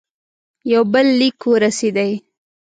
یو بل لیک ورسېدی.